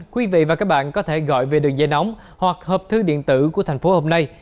quý vị và các bạn có thể gọi về đường dây nóng hoặc hợp thư điện tử của thành phố hôm nay